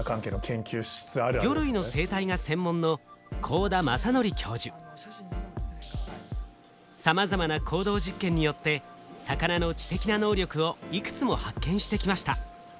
魚類の生態が専門のさまざまな行動実験によって魚の知的な能力をいくつも発見してきました。